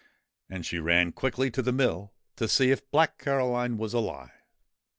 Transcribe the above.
And she ran quickly to the mill to see if Black Caroline was alive.